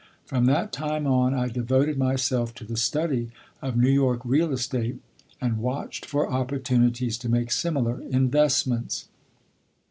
From that time on I devoted myself to the study of New York real estate and watched for opportunities to make similar investments.